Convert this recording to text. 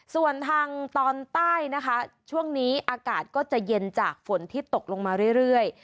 ส่วนทางตอนใต้นะคะช่วงนี้อากาศก็จะเย็นจากฝนที่ตกลงมาเรื่อย